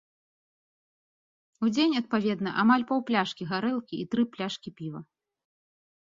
У дзень, адпаведна, амаль паўпляшкі гарэлкі, і тры пляшкі піва.